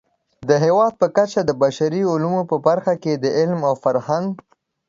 د هېواد په کچه د بشري علومو په برخه کې د علم او فرهنګ